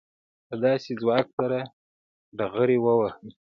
له داسې ځواک سره ډغرې ووهي.